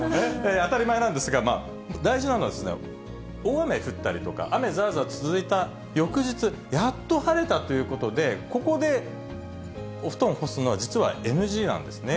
当たり前なんですが、大事なのは、大雨降ったりとか、雨ざーざー続いた翌日、やっと晴れたっていうことで、ここでお布団干すのは、実はＮＧなんですね。